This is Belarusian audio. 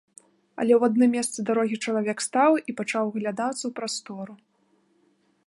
Але ў адным месцы дарогі чалавек стаў і пачаў углядацца ў прастору.